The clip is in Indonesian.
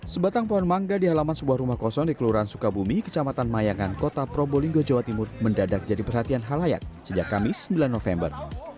sebatang pohon mangga di halaman sebuah rumah kosong di kelurahan sukabumi kecamatan mayangan kota probolinggo jawa timur mendadak jadi perhatian halayak sejak kamis sembilan november